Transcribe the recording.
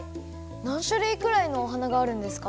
なんしゅるいくらいのお花があるんですか？